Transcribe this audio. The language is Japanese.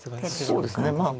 そうですね。